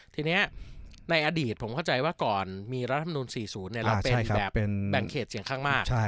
ทีนี้ในอดีตผมเข้าใจว่าก่อนมีรัฐมนุน๔๐เราเป็นแบบแบ่งเขตเสียงข้างมาก